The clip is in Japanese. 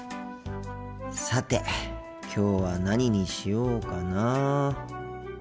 さてきょうは何にしようかな。